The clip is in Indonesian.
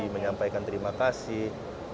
menyampaikan terima kasih